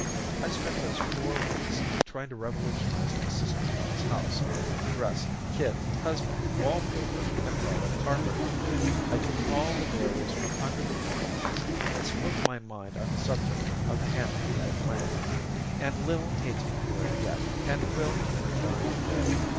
I spent those four weeks trying to revolutionize my sister in law's house, dress, kids, husband, wall paper and parlor carpet. I took all the doilies from under the ornaments and spoke my mind on the subject of the hand painted lamp, and Lil hates me for it yet, and will to her dying day.